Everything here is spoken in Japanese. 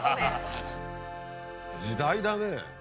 時代だね。